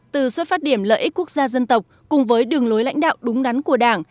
từ xuất phát điểm lợi ích quốc gia dân tộc cùng với đường lối lãnh đạo đúng đắn của đảng